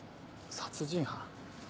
殺人犯？